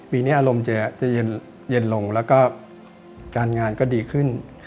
ปีเน้ทอารมณ์จะเริ่มเย็นลงและการงานก็ดีขึ้น